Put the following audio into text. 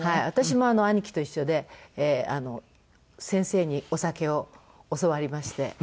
私も兄貴と一緒で先生にお酒を教わりまして。